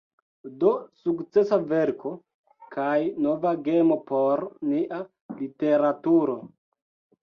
Do sukcesa verko, kaj nova gemo por nia literaturo.